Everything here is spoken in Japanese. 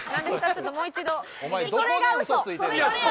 ちょっともう一度。